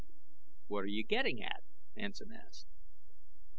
"What are you getting at?" Hansen asked.